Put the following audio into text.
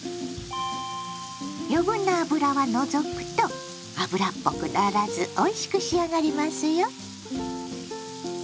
余分な脂は除くと脂っぽくならずおいしく仕上がりますよ。